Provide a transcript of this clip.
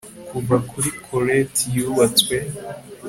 Kuva kuri collet yubatswe